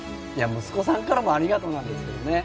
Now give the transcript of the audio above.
息子さんからもありがとうなんですけどね。